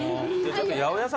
ちょっと。